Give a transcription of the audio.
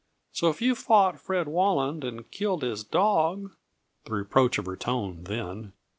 So if you fought Fred Walland and killed his dog" (the reproach of her tone, then!)